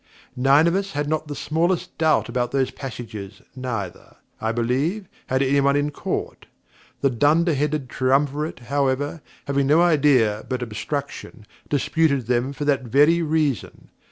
Nine of us had not the smallest doubt about those passages, neither, I believe, had any one in Court; the dunder headed triumvirate however, having no idea but obstruction, disputed them for that very reason.